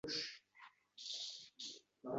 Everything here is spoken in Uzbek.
Boʻlmasa sagʻanangizga boshqa oʻlik qoʻyvoraman